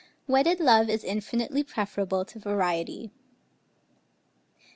WEDDED LOVE IS INFINITELY PREFERABLE TO VARIETY.